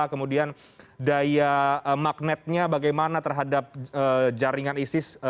kemudian daya magnetnya bagaimana terhadap jaringan isis